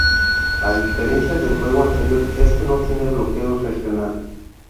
A diferencia del juego anterior, este no tiene bloqueo regional.